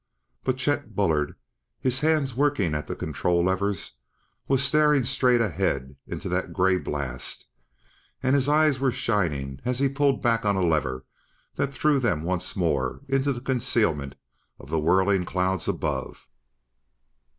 But Chet Bullard, his hands working at the control levers, was staring straight ahead into that gray blast; and his eyes were shining as he pulled back on a lever that threw them once more into the concealment of the whirling clouds above.